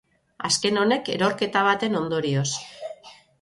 Azken honek erorketa baten ondorioz.